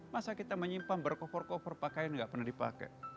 masa kita menyimpan berkofor kofor pakaian yang gak pernah dipakai